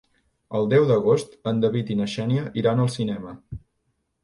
El deu d'agost en David i na Xènia iran al cinema.